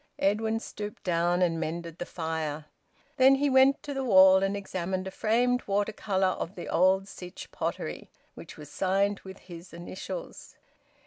Edwin stooped down and mended the fire. Then he went to the wall and examined a framed water colour of the old Sytch Pottery, which was signed with his initials.